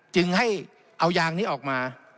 จึงให้เอายางนี้ออกมา